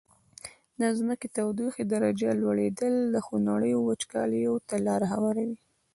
د ځمکي د تودوخي د درجي لوړیدل خونړیو وچکالیو ته لاره هواروي.